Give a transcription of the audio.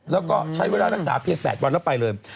แล้วก็ใช้เวลารักษาเพียง๘วันแล้วไปเลย